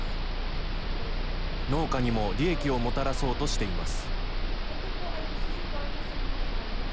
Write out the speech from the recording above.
農家にも利益をもたらそうとしています。